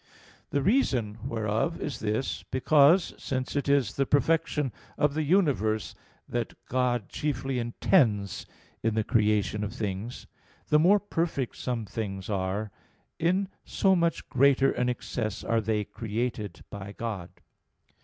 The reason whereof is this, because, since it is the perfection of the universe that God chiefly intends in the creation of things, the more perfect some things are, in so much greater an excess are they created by God.